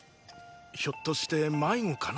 ひょっとして迷子かな？